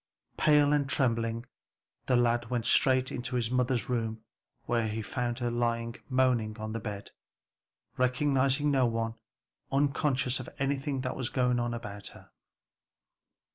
Pale and trembling the lad went straight to his mother's room where he found her lying moaning on the bed, recognizing no one, unconscious of anything that was going on about her.